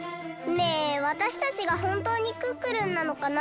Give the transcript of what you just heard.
ねえわたしたちがほんとうにクックルンなのかな？